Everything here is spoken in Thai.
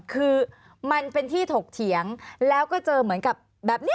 คือมันเป็นที่ถกเถียงแล้วก็เจอเหมือนกับแบบนี้